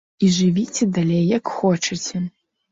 І жывіце далей як хочаце.